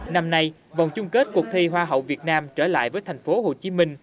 năm nay vòng chung kết cuộc thi hoa hậu việt nam trở lại với thành phố hồ chí minh